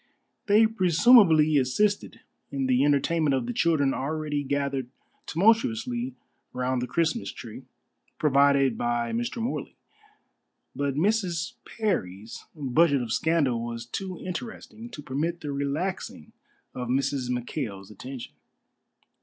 They presumably assisted in the entertainment of the children already gathered tumultuously round the Christmas tree, provided by Mr. Morley; but Mrs. Parry's budget of scandal was too interesting to permit the relaxing of Mrs. McKail's attention.